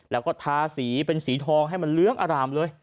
แล้วก็ทาสีเป็นสีทองให้มันเลื้องอร่ามเลย